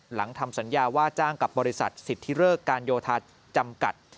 ทำสัญญาว่าจ้างกับบริษัทสิทธิเริกการโยธาจำกัด